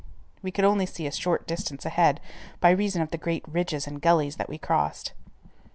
We could only see a short distance ahead by reason of the great ridges and gullies that we crossed.